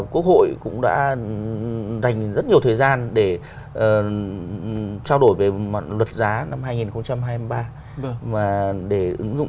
quốc hội cũng đã dành rất nhiều thời gian để trao đổi về luật giá năm hai nghìn hai mươi ba